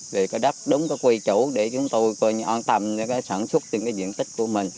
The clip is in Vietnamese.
để có đáp đúng cái quy chủ để chúng tôi có những an tâm để sản xuất trên cái diện tích của mình